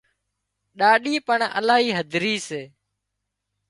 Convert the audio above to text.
ڏاڏِي پڻ الاهي هڌري سي